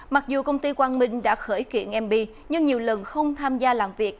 mặc dù công ty quang minh đã khởi kiện mb nhưng nhiều lần không tham gia làm việc